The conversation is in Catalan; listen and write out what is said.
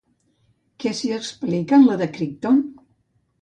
Què s'hi explica en la de Crichton?